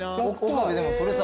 岡部でもそれさ。